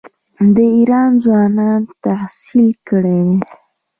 د ایران ځوانان تحصیل کړي دي.